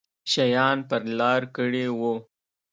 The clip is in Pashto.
شیان پر لار کړي وو.